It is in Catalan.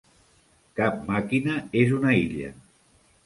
Cap màquina és una illa.